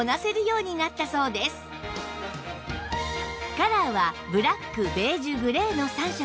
カラーはブラックベージュグレーの３色